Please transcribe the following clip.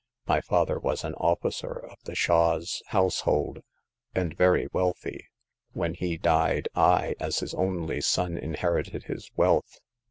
My father was an officer of the Shah's household, . and very wealthy. When he died I, as his only son, inherited his wealth.